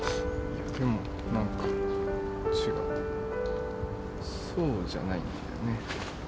でも何か違うそうじゃないんだよね。